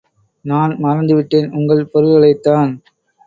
நான் மறந்துவிட்டேன் உங்கள் பொருள்களைத்தான்.